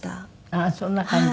あっそんな感じ。